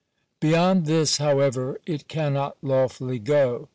373 Beyond this, however, it cannot lawfully go.